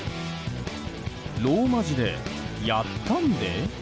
ローマ字で、やったんで？